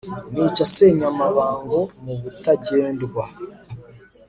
nica Senyamabango mu Butagendwa